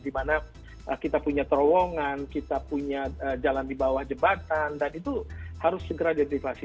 dimana kita punya terowongan kita punya jalan di bawah jembatan dan itu harus segera diidentifikasi